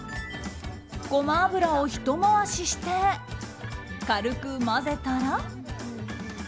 ゴマ油をひと回しして軽く混ぜたら。